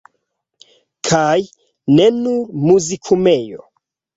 Kaj ne nur Muzikumejo!